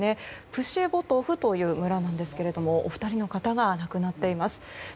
プシェボドフという村なんですけれどもお二人の方が亡くなっています。